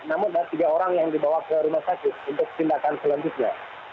namun ada tiga orang yang dibawa ke rumah sakit untuk tindakan selanjutnya